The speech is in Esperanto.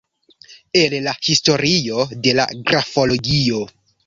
El la historio de la grafologio.